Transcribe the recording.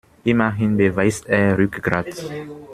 Immerhin beweist er Rückgrat.